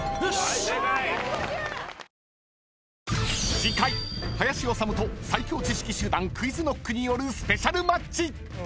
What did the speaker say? ［次回林修と最強知識集団ＱｕｉｚＫｎｏｃｋによるスペシャルマッチ！］